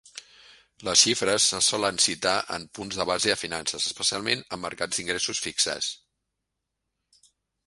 Les xifres es solen citar en punts de base a finances, especialment en mercats d'ingressos fixes.